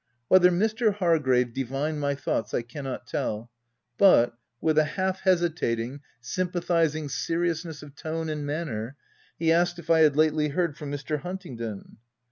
Whether Mr. Hargrave divined my thoughts, I cannot tell, but, with a half hesitating, sympathizing seriousness of tone and manner, he asked if I had lately heard from Mr. Huntingdon.